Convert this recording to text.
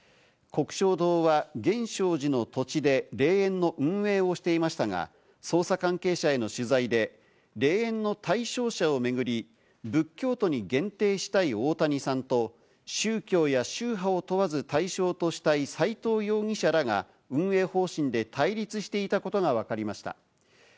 鵠祥堂は源証寺の土地で霊園の運営をしていましたが、捜査関係者への取材で霊園の対象者を巡り、仏教徒に限定したい大谷さんと宗教や宗派を問わず対象としたい斎藤容疑者らが運営方針で対立していたことがわかりました。